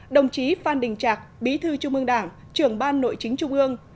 đồng chí phan đình trạc bí thư trung ương đảng trưởng ban nội chính trung ương